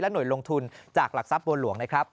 หน่วยลงทุนจากหลักทรัพย์บัวหลวงนะครับ